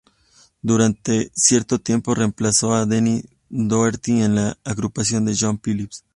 Durante cierto tiempo reemplazó a Denny Doherty en la agrupación de John Phillips.